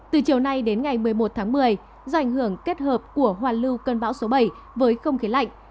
từ chiều nay đến ngày một mươi một tháng một mươi do ảnh hưởng kết hợp của hoàn lưu cơn bão số bảy với không khí lạnh